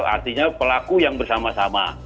artinya pelaku yang bersama sama